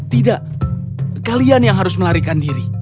tidak kalian yang harus melarikan diri